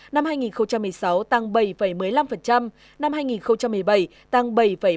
năm hai nghìn một mươi sáu tăng bảy một mươi năm năm hai nghìn một mươi bảy tăng bảy ba mươi